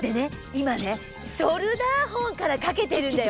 今ねショルダーフォンからかけてるんだよ。